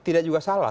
tidak juga salah